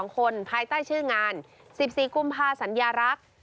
๒คนภายใต้ชื่องาน๑๔กุมภาสัญญารักษ์